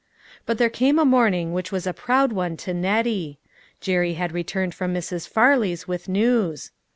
But there came a morning which was a proud one to Nettie. Jerry had returned from Mrs. Farley's with news.